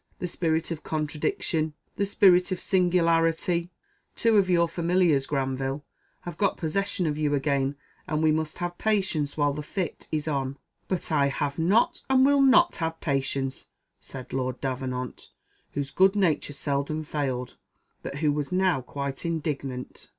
The spirit of contradiction the spirit of singularity two of your familiars, Granville, have got possession of you again, and we must have patience while the fit is on." "But I have not, and will not have patience," said Lord Davenant, whose good nature seldom failed, but who was now quite indignant.